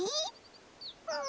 うん。